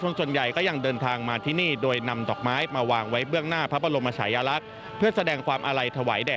แล้วก็มีเพื่อนมาช่วยจากเชียงรายด้วยค่ะ